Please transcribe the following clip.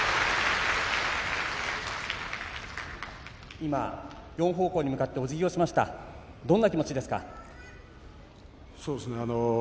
今、４方向に向かっておじぎをしましたそうですね。